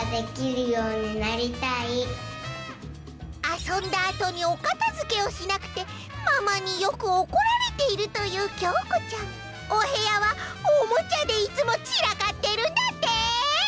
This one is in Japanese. あそんだあとにおかたづけをしなくてママによくおこられているというおへやはおもちゃでいつもちらかってるんだって！